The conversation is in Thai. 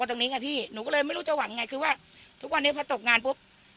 ตรงนี้ไงพี่หนูก็เลยไม่รู้จะหวังไงคือว่าทุกวันนี้พอตกงานปุ๊บ